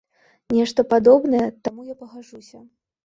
Нешта падобнае, таму, я пагаджуся.